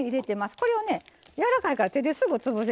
これをねやわらかいから手ですぐ潰せるんですよ。